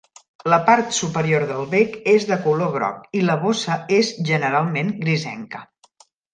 La part superior del bec és de color groc i la bossa és generalment grisenca.